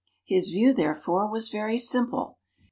His view, therefore, was very simple.